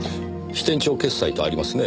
「支店長決済」とありますね。